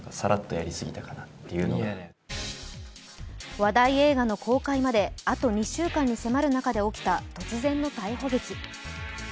話題映画の公開まで、あと２週間に迫る中で起きた突然の逮捕劇。